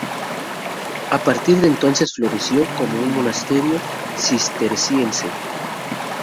A partir de entonces floreció como un monasterio cisterciense.